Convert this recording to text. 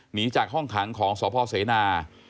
หนีจากห้องขังของสพเสนา